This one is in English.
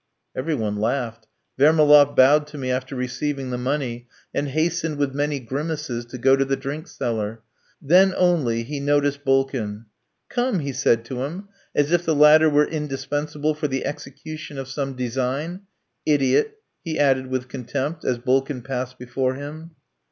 Every one laughed. Vermaloff bowed to me after receiving the money, and hastened, with many grimaces, to go to the drink seller. Then only he noticed Bulkin. "Come!" he said to him, as if the latter were indispensable for the execution of some design. "Idiot!" he added, with contempt, as Bulkin passed before him.